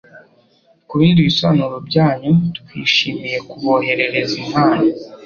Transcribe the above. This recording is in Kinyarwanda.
Kubindi bisobanuro byanyu twishimiye kuboherereza impano